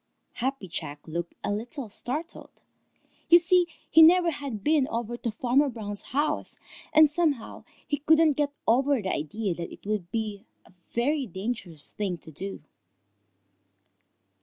Happy Jack looked a little startled. You see, he never had been over to Farmer Brown's house, and somehow he couldn't get over the idea that it would be a very dangerous thing to do.